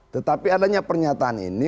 tetapi adanya pernyataan ini